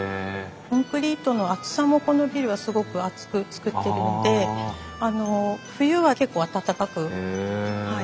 コンクリートの厚さもこのビルはすごく厚く造ってるのであの冬は結構暖かくなります。